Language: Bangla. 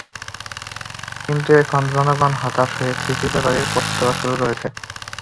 কিন্তু এখন জনগণ হতাশ হয়ে সিসির ব্যাপারে প্রশ্ন তোলা শুরু করেছে।